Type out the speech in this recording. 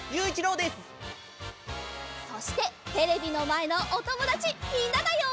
そしてテレビのまえのおともだちみんなだよ！